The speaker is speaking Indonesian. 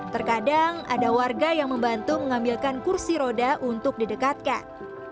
terkadang ada warga yang membantu mengambilkan kursi roda untuk didekatkan